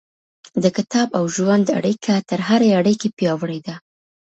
د کتاب او ژوند اړيکه تر هرې اړيکې پياوړې ده.